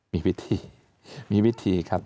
มีวิธีมีวิธีครับ